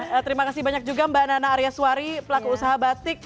terima kasih banyak juga mbak nana arya suwari pelaku usaha batik